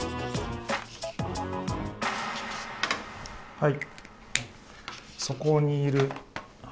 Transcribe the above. はい。